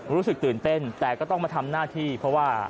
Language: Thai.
รู้สึกตื่นเต้นแต่ก็ต้องมาทำหน้าที่เพราะว่า